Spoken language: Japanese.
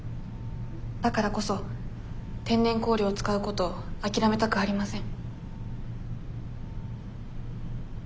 だからこそ天然香料を使うことを諦めたくありません。